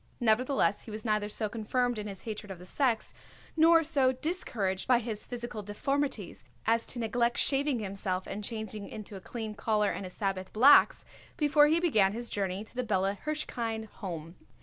Nevertheless, he was neither so confirmed in his hatred of the sex nor so discouraged by his physical deformities as to neglect shaving himself and changing into a clean collar and his Sabbath blacks before he began his journey to the Bella Hirshkind Home.